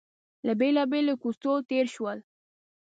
له بېلابېلو کوڅو تېر شولو.